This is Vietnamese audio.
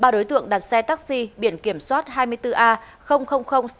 ba đối tượng đặt xe taxi biển kiểm soát hai mươi bốn a sáu mươi năm của anh